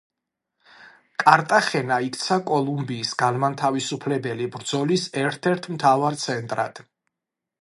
კარტახენა იქცა კოლუმბიის განმათავისუფლებელი ბრძოლის ერთ-ერთ მთავარ ცენტრად.